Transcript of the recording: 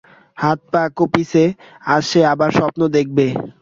হাত-পা কপিছে আজ সে আবার স্বপ্ন দেখবে।